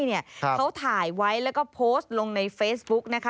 เขาถ่ายไว้แล้วก็โพสต์ลงในเฟซบุ๊กนะคะ